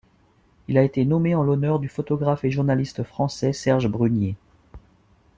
Il a été nommé en l'honneur du photographe et journaliste français Serge Brunier.